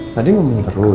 tadi ngomong terus